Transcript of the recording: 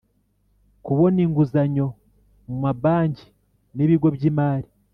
Kubona inguzanyo mu ma banki n ibigo by imari